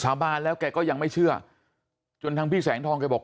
บานแล้วแกก็ยังไม่เชื่อจนทางพี่แสงทองแกบอก